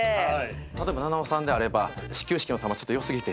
菜々緒さんであれば始球式の球ちょっと良過ぎて。